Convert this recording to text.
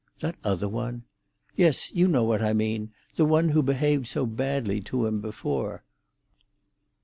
"That other one?" "Yes; you know what I mean: the one who behaved so badly to him before."